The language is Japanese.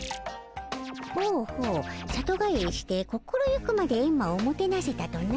ほうほう里帰りして心ゆくまでエンマをもてなせたとな。